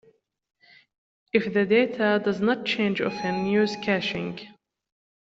If the data does not change often use caching.